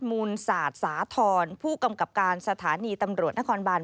มูลสาธารณ์ผู้กำกับการสถานีตำรวจนครบัน